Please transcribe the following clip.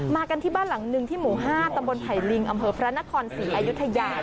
กันที่บ้านหลังหนึ่งที่หมู่๕ตำบลไผ่ลิงอำเภอพระนครศรีอายุทยา